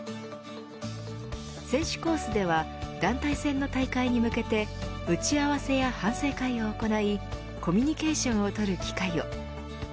選手コースでは団体戦の大会に向けて打ち合わせや反省会を行いコミュニケーションを取る機会を。